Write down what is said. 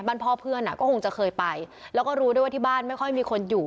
บ้านพ่อเพื่อนอ่ะก็คงจะเคยไปแล้วก็รู้ด้วยว่าที่บ้านไม่ค่อยมีคนอยู่